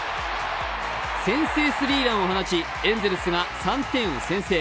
先制スリーランを放ちエンゼルスが３点を先制。